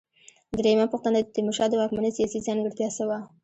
درېمه پوښتنه: د تیمورشاه د واکمنۍ سیاسي ځانګړتیا څه وه؟